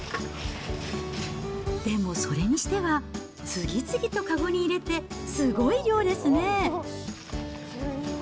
でも、それにしては次々と籠に入れて、すごい量ですね。